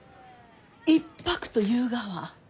一泊というがは？